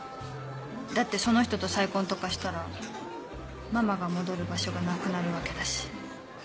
だってその人と再婚とかしたらママが戻る場所がなくなるわけだし。